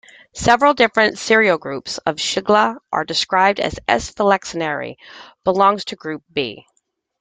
Several different serogroups of "Shigella" are described; "S. flexneri" belongs to group "B".